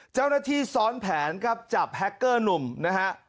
เจ้าหน้าที่ซ้อนแผนครับจับแฮคเกอร์หนุ่มนะฮะ